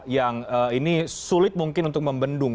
yang ini sulit mungkin untuk membendung